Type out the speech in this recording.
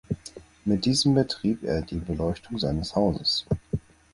Mit diesem betrieb er die Beleuchtung seines Hauses.